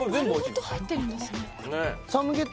丸ごと入ってるんですね